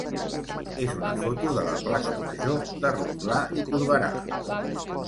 és una foto de la plaça major de Rotglà i Corberà.